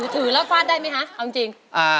ถือแล้วฟาดได้ไหมคะเอาจริง